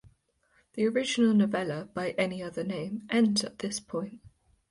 The original novella "By Any Other Name" ends at this point.